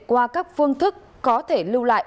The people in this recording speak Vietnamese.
qua các phương thức có thể lưu lại